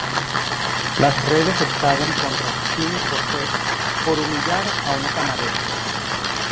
Las redes estallan contra Quimi Portet por humillar a un camarero